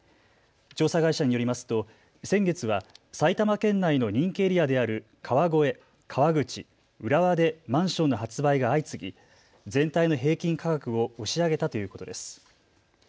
調査会社によりますと先月は埼玉県内の人気エリアである川越、川口、浦和でマンションの発売が相次ぎ全体の平均価格を押し上げたということです。